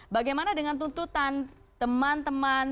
bagaimana dengan tuntutan teman teman